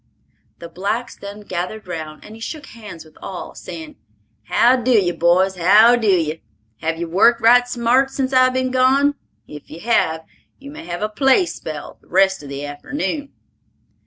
The blacks then gathered round, and he shook hands with all, saying, "How d'ye, boys? How d'ye? Have you worked right smart since I've been gone? If you have, you may have a play spell the rest of the arternoon."